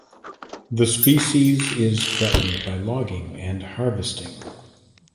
The species is threatened by logging and harvesting.